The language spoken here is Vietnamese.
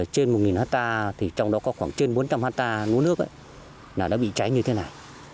trên một hectare thì trong đó có khoảng trên bốn trăm linh hectare lúa nước đã bị cháy như thế này